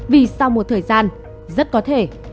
vì sau một thời gian rất có thể